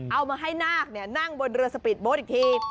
เอามาให้นาคนั่งบนเรือสปีดโบสต์อีกที